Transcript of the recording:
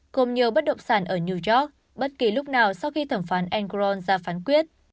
cùng nhiều bất động sản ở new york bất kỳ lúc nào sau khi thẩm phán engron ra phán quyết